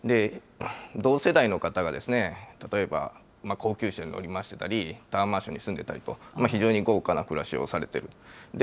同世代の方が例えば高級車を乗り回してたり、タワーマンションに住んでたりと、非常に豪華な暮らしをされている。